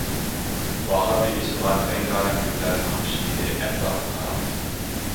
باھاردا ئېچىلغان رەڭگارەڭ گۈللەرنىڭ خۇش ھىدى ئەتراپقا تارالدى.